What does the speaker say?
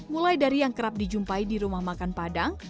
mulai dari yang kerap dijumpai di rumah makan padang